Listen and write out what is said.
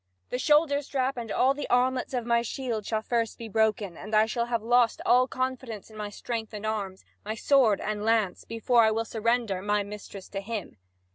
The shoulder strap and all the armlets of my shield shall first be broken, and I shall have lost all confidence in my strength and arms, my sword and lance, before I will surrender my mistress to him."